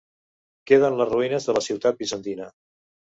Queden les ruïnes de la ciutat bizantina.